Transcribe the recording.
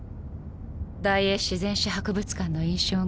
大英自然史博物館の印象が？